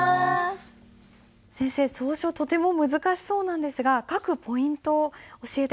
先生草書とても難しそうなんですが書くポイントを教えて下さい。